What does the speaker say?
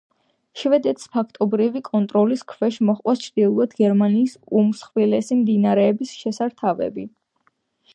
შვედეთის ფაქტობრივი კონტროლის ქვეშ მოხვდა ჩრდილოეთ გერმანიის უმსხვილესი მდინარეების შესართავები.